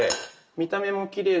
見た目もきれいなのと。